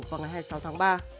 vào ngày hai mươi sáu tháng ba